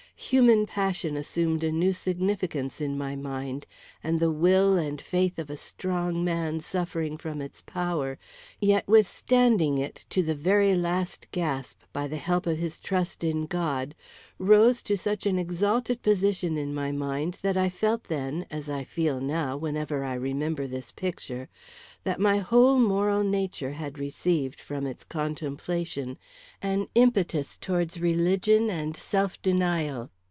Human passion assumed a new significance in my mind, and the will and faith of a strong man suffering from its power, yet withstanding it to the very last gasp by the help of his trust in God, rose to such an exalted position in my mind, that I felt then, as I feel now whenever I remember this picture, that my whole moral nature had received, from its contemplation, an impetus towards religion and self denial.